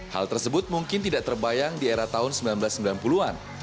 hal tersebut mungkin tidak terbayang di era tahun seribu sembilan ratus sembilan puluh an